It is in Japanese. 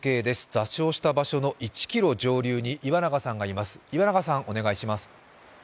座礁した場所の１ｋｍ上流に岩永さんがいます。